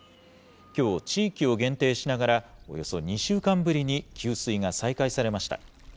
きょう、地域を限定しながらおよそ２週間ぶりに、給水が再開されました。